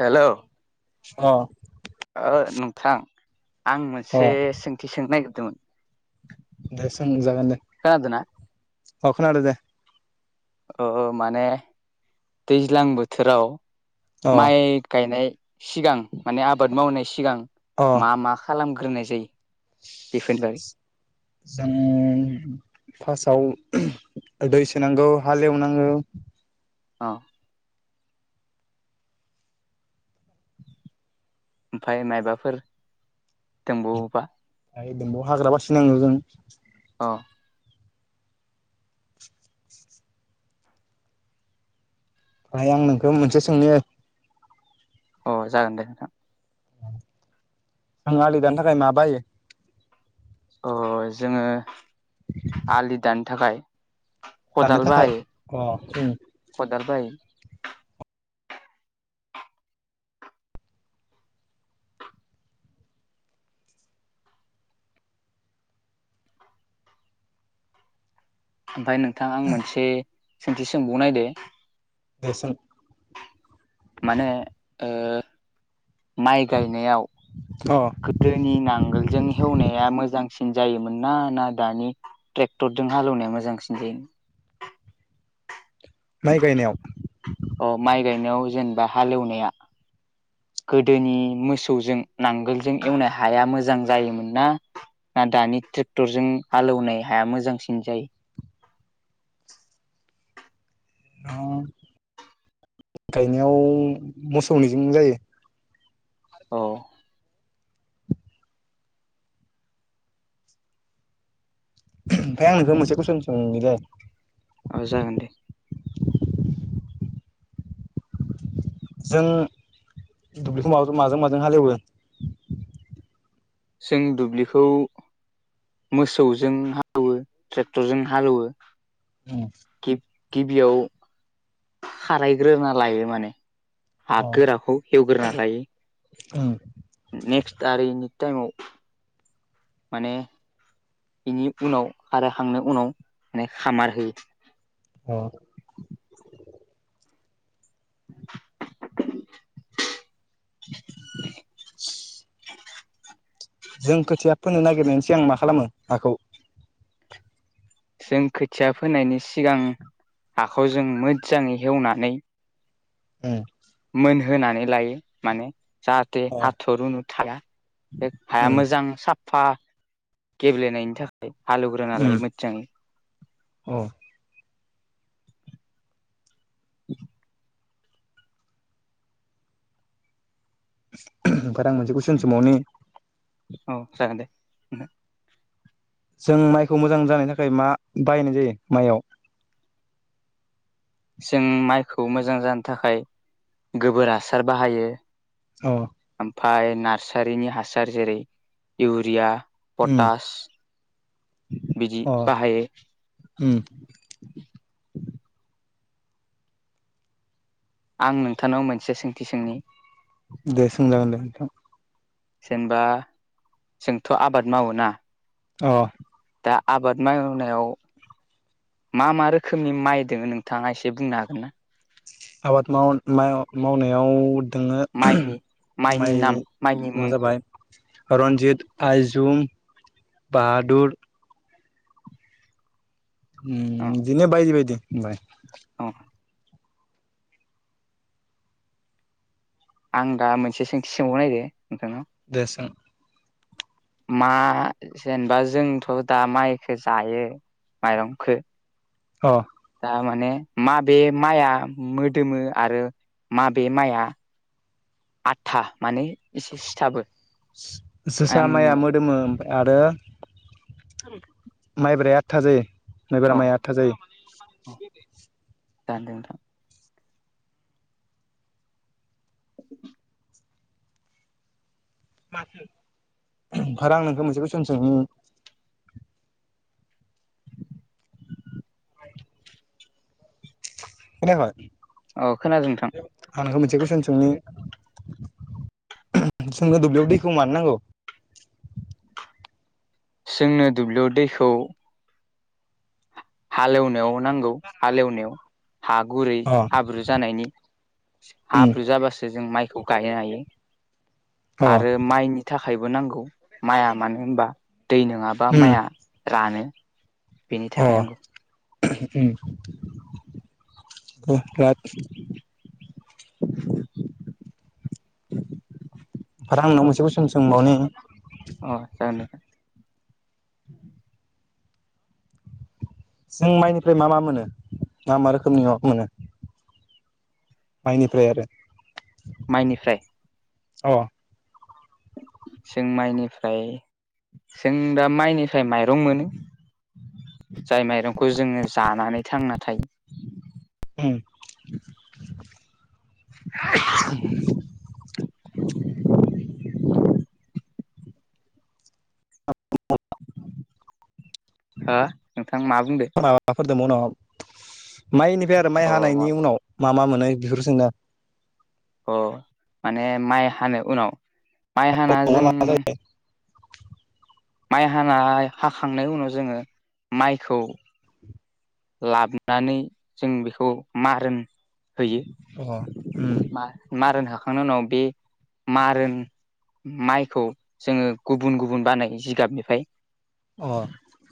हेल' ओ अ नोंथां आं अ मोनसे सोंथि सोंनो नागिरदोंमोन। दे सोंजागोन दे खोनादोंना अ खोनादों दे औ माने दैज्लां बोथोराव अ माइ गायनाय सिगां माने आबाद मावनाय सिगां अ मा मा खालामगोन। होग्रोनाय जायो बेफोरनि बागै जों फार्स्टआव दै सोनांगौ हालेवनांगौ औ ओमफ्राय मायबाफोर दंबावोबा। दायो दोंबावो हाग्रा बासिनांगौ जों औ आं नोंखौ मोनसे सोंनो अ जागोन दे नोंथां आं आलि दानो थाखाय मा बाहायो अ जोङो आलि दाननो थाखाय दाननो खदाल थाखाय बाहायो अ उम खदाल बाहायो ओमफ्राय नोंथां आं मोनसे सोंथि सोंबाव नायदो? दे सों माने ओ माइ गायनायाव अ गोदोनि नांगोलजों हेवनाया मोजां मोजांसिन जायोमोन ना ना दानि ट्रेक्टरजों हालेवनाया मोजांसिन जायो? माइ गायनायाव अ माइ गायनायाव जेनेबा हालेवनाया गोदोनि मोसौजों नांगोलजों एवनाय हाया मोजां जायोमोन ना ना दानि ट्रेक्टरजों हालौनाय हाया मोजांसिन जायो? [unintelligible] ओ गायनायाव मोसौनिजों जायो औ ओमफ्राय आं नोंखौ मोनसे कुइसन सोंनि दै औ जागोन दे जों दुब्लिखौ माबोरै माजों माजों हालेवो जों दुब्लिखौ मोसौजों हालौवो ट्रेक्टरजों हालौवो औ गिबियाव खारायग्रोना लायो माने हा अ गोराखौ हेवग्रोना लायो उम नेक्स्ट आरो टाइमाव माने बेनि उनाव आरो हांनो उनाव माने खामार होयो औ [unintelligible] [unintelligible] [unintelligible] फोननो नागिरनायसै आं मा खालामो हाखौ जों खोथिया फोनायनि सिगां हाखौ जों मोजाङै हेवनानै उम होनानै लायो माने जाहाथे अ हाथ' रुनु थाया बे हाया उम मोजां साफ फा गेब्लेनायनि थाखाय हालेवग्रा नालाय उम मोजां औ [unintelligible] ओफ्राय आं मोनसे कुइसन सोंबावनि? औ जागोन दे जों माइखौ मोजां जानायनि थाखाय मा बाहायनाय जायो माइयाव जों माइखौ मोजां जानो थाखाय गोबोर हासार बाहायो औ ओमफाय नार्सारिनि हासार जेरै इउरिया उम पटास बिदि अ बाहायो उम आं नोंथांनाव मोनसे सोंथि सोंनि? दे सोंजागोन दे नोंथां जेनेबा जोंथ' आबाद मावो ना औ दा आबाद मावनायाव मा मा रोखोमनि माइ दङ नोंथाङा एसे बुंनो हागोन ना आबाद माव मा मावनायाव। दोङो माइनि माइनि माइ नाम माइनि मुङा मुं जाबाय। रनजित आइजुम बाहादुर। उम औ बिदिनो बायदि बायदि । औ आं दा मोनसे सोंथि सोंबाव नायदों। दे सों। मा जेनेबा जोंथ' दा माइखो जायो। माइरंखो। औ। थार माने माबे माइआ मोदोमो आरो माबे माइआ। आथा माने। एसे सिथाबो जोसा आं माइया मोदोमो। आरो माइब्राया आथा जायो। माइब्रा औ माया आथा जायो। औ [unintelligible] [inaudible] ओमफ्राय आं नोंखौ मोनसे कुइसन सोंनि। [inaudible] खोनायाखै। अ खोनादो नोंथां। आं नोंखौ मोनसे कुइसन सोंनि। जोंनो दुब्लियाव दैखौ मानो नांगौ। जोंनो दुब्लियाव दैखौ हालेवनायाव नांगौ हालेवनायाव हा गुरै अ हाब्रु जानायनि। उम हाब्रु जाबासो जों माइखौ गायनो हायो अ आरो माइनि थाखाय [unintelligible] बो नांगौ माइआ मानो होनबा दै नङाबा उम माइआ रानो। बेनि अ थाखाय नांगौ। उम। [inaudible] आरो आं नोनाव मोनसे कुइसन सोंबावनि अ । [inaudible] जों माइनिफ्राय मा मा मोनो मा मा रोखोमनियाव मोनो। मायनिफ्राय आरो माइनिफ्राय अ। जों माइनिफ्राय जों दा माइनिफ्राय माइरं मोनो। जाय माइरंखौ जोङो जानानै थांना थायो। उम। [inaudible] [unintelligible] हो नोंथां मा बुंदो। [unintelligible] माइनिफ्राय आरो माइ अ मा हानायनि उनाव मा मा मोनो बेफोरखो सोंदो आं। अ माने माइ हानो उनाव माइ हाना आं मा मा जों जायो माइ हानाय हाखांनायनि उनाव जोङो माइखौ लाबोनानै जों बेखौ मारोन होयो अ उम मारोन होखांनायनि उनाव बे मारोन माइखौ जोङो गुबुन गुबुन बानाय जिगाबनिफ्राय अ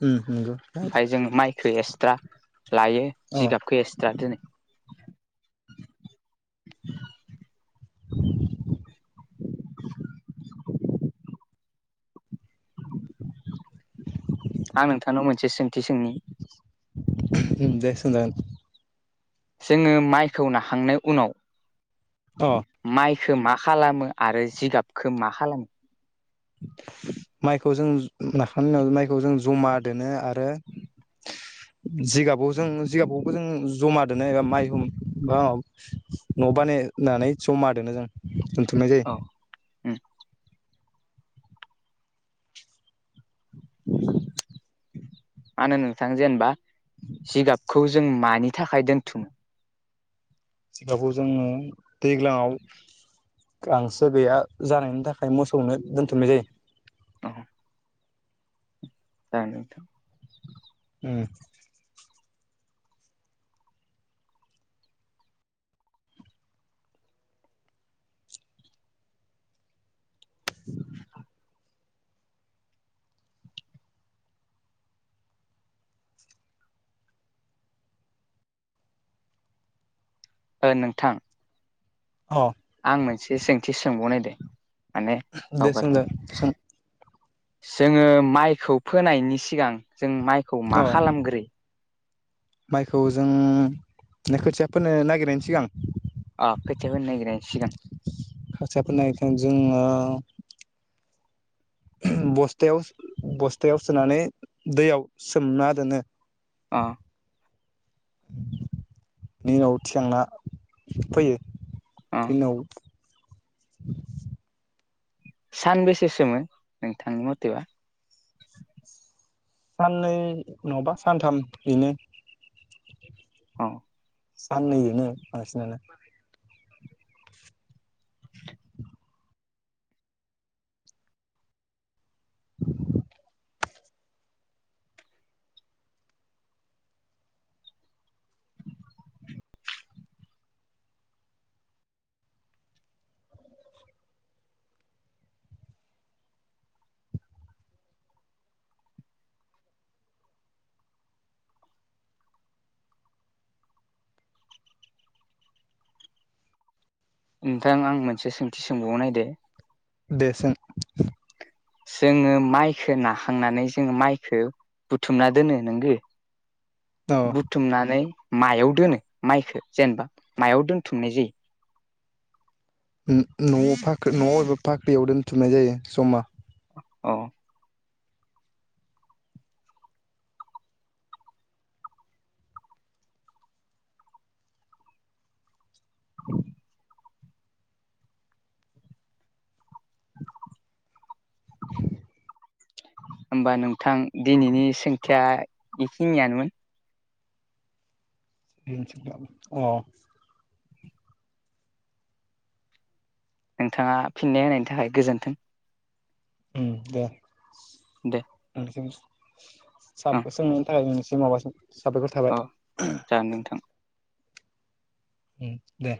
उम नंगौ। ओमफ्राय जों माइखौ एक्सट्रा लायो अ जिगाबखो एस्ट्रा दोनो। [inaudible] [inaudible] [inaudible] आं नोंथांनाव मोनसे सोंथि सोंनि। [unintelligible] जोङो माइखौ नाहांनाय उनाव अ माइ खो मा खालामो आरो जिगाबखौ मा खालामो। माइखौ जों नाखांनायनि उनाव माइखौ जों जमा दोनो आरो। [inaudible] जिगाबाव जों जिगाबावबो जों जमा दोनो एबा माइहुम बाव न' बानायनानै जमा दोनो जों दोनथुमनाय जायो। उम। [inaudible] मानो नोंथां जेनेबा जिगाबखौ जों मानि थाखाय दोनथुमनो। जिगाबाव जोङो दैलाङाव। गांसो गैया जानायनि थाखाय मोसौनो दोनथुमनाय जायो। औ। ओं नोंथां उम। [inaudible] ओ नोंथां। अ। आं मोनसे सोंथि सोंबावनाय दे माने दे सोंदो बावगारदों। सों जोङो माइखौ फोनायनि सिगां जों माइखौ मा अ खालामग्रो? माइखौ जों खोथिया फोनो नागिरनायनि सिगां अ खोथिया फोनो नागिरनायनि सिगां खोथिया फोनायजों जोङो बस्थायाव बस्थायाव सोनानै दैयाव सोमना दोनो। अ। नि उनाव थिखांना फैयो। अ बिनाव सानबेसे सोमो नोंथांनि मथेबा। साननै नङाबा सानथाम बेनो। औ। साननैजों बांसिनानो। [inaudible] नोंथां आं मोनसे सोंथि सोंबावाव नायदो। दे सों। जोङो माइखौ नाखांनानै जोङो माइखौ। बुथुमना दोनो नोंगो औ बुथुमनानै मायाव दोनो माइखौ जेनेबा मायाव दोनथुमनाय जायो। न'आव फाख्रि न'आव बबेबा फाख्रियाव दोनथुमनाय जायो जमा। औ। [inaudible] [inaudible] होमबा नोंथां दिनैनि सोंथिया एखिनियानोमोन। औ। नोंथाङा फिननाय होनायनि थाखाय गोजोन्थों। ओम दे दे [unintelligible] ओं साबायखर अ थाबाय। जागोन नोंथां ओम दे।